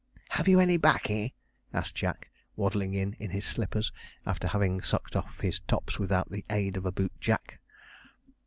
'Have you any 'baccy?' asked Jack, waddling in in his slippers, after having sucked off his tops without the aid of a boot jack.